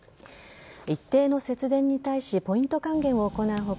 一定の節電に対しポイント還元を行う他